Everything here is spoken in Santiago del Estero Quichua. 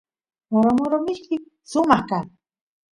moro moro mishki sumaq kan